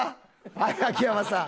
はい秋山さん。